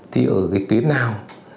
thì ở cái tuyến nào